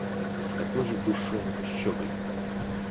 Такой же душонок и щеголь!